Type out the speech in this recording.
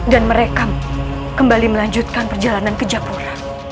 dan mereka kembali melanjutkan perjalanan ke japura